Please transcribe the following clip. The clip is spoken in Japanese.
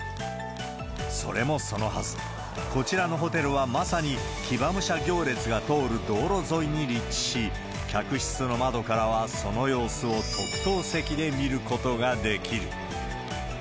それもそのはず、こちらのホテルはまさに騎馬武者行列が通る道路沿いに立地し、客室の窓からはその様子を特等席で見ることができる。